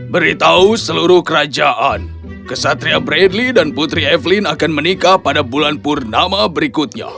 beritahu seluruh kerajaan kesatria bradley dan putri evelyn akan menikah pada bulan purnama berikutnya